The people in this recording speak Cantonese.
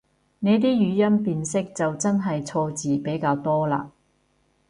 你啲語音辨識就真係錯字比較多嘞